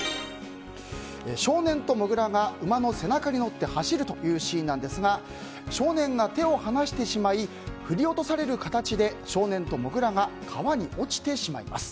少年とモグラが馬の背中に乗って走るというシーンなんですが少年が手を離してしまい振り落とされる形で少年とモグラが川に落ちてしまいます。